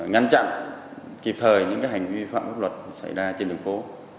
ngăn chặn kịp thời những hành vi vi phạm quốc luật xảy ra trên đường phố